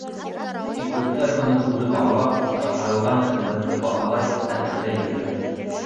Тик күптәр быны күреп-аңлап, башҡарылған хеҙмәтте баһалай, ҡәҙерләй белмәй.